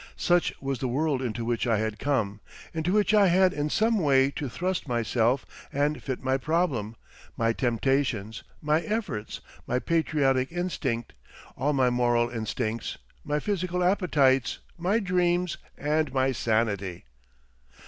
Such was the world into which I had come, into which I had in some way to thrust myself and fit my problem, my temptations, my efforts, my patriotic instinct, all my moral instincts, my physical appetites, my dreams and my sanity.